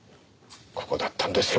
ここだったんですよ